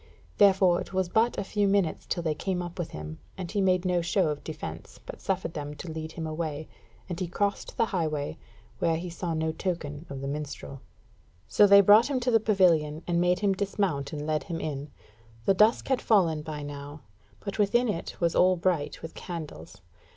Therefore it was but a few minutes till they came up with him, and he made no show of defence, but suffered them to lead him away, and he crossed the highway, where he saw no token of the minstrel. So they brought him to the pavilion, and made him dismount and led him in. The dusk had fallen by now, but within it was all bright with candles.